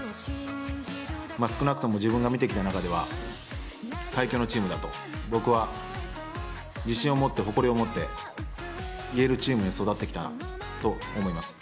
少なくとも自分が見てきた中では、最強のチームだと、僕は自信を持って誇りを持って言えるチームに育ってきたなと思います。